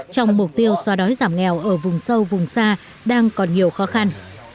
trong mục tiêu xóa đói giảm nghèo ở vùng sâu vùng xa đang còn nhiều khó khăn